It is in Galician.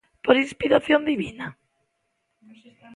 ¿Por inspiración divina?